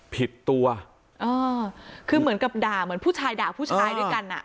ผิดตัวเออคือเหมือนกับด่าเหมือนผู้ชายด่าผู้ชายด้วยกันอ่ะ